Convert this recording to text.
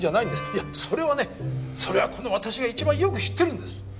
いやそれはねそれはこの私が一番よく知ってるんです！